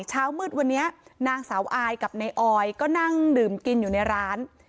เช้ามืดวันนี้นางสาวอายกับนายออยก็นั่งดื่มกินอยู่ในร้าน